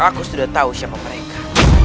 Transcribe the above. aku sudah tahu siapa mereka